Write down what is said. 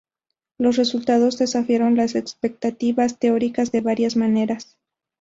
Los resultados desafiaron las expectativas teóricas de varias maneras.